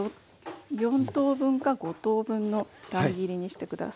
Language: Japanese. ４等分か５等分の乱切りにして下さい。